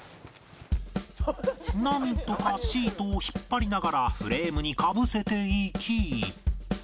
なんとかシートを引っ張りながらフレームにかぶせていき